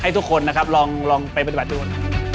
ทุกคนนะครับลองไปปฏิบัติดู